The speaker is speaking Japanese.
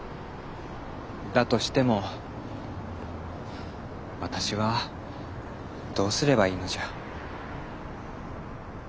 だとしても私はどうすればいいのじゃ。